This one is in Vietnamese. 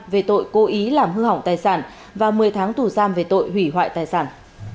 về tội cố ý làm hư hỏng tài sản và một mươi tháng tù giam về tội hủy hoại tài sản